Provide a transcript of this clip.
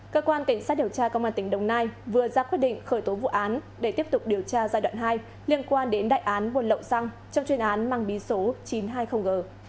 cơ quan cảnh sát điều tra công an tỉnh đồng nai vừa ra quyết định khởi tố vụ án để tiếp tục điều tra giai đoạn hai liên quan đến đại án buồn lậu xăng trong chuyên án mang bí số chín trăm hai mươi g